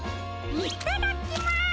いただきます！